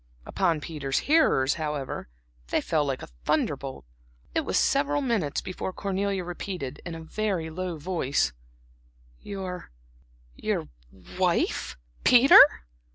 Upon Peter's hearers, however, they fell like a thunderbolt. It was several minutes before Cornelia repeated, in a very low voice: "Your your wife, Peter?"